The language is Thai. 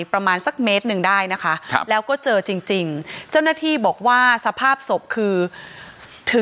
ประมาณสักเมตรหนึ่งได้นะคะแล้วก็เจอจริงเจ้าหน้าที่บอกว่าสภาพศพคือถือ